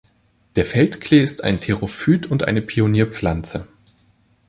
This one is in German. Der Feld-Klee ist ein Therophyt und eine Pionierpflanze.